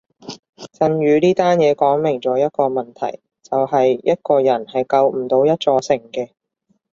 震宇呢單嘢講明咗一個問題就係一個人係救唔到一座城嘅